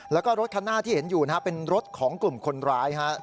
แล้วก็รถคันหน้าที่เห็นอยู่นะฮะเป็นรถของกลุ่มคนร้ายครับ